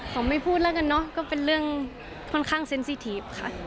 ไม่พูดแล้วกันเนอะก็เป็นเรื่องค่อนข้างเซ็นซีทีฟค่ะ